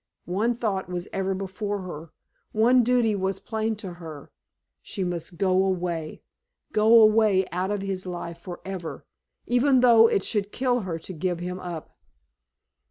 One thought was ever before her, one duty was plain to her: she must go away go away out of his life forever even though it should kill her to give him up.